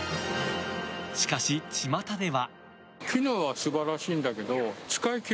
しかし、ちまたでは。